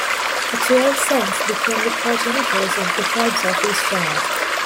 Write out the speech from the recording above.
The twelve sons became the progenitors of the "Tribes of Israel".